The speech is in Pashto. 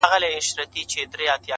او خپل څادر يې تر خپل څنگ هوار کړ؛